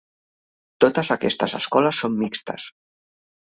Totes aquestes escoles són mixtes.